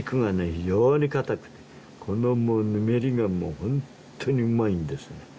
異様にかたくてこのぬめりがもうホントにうまいんですね